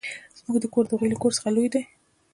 زموږ کور د هغوې له کور څخه لوي ده.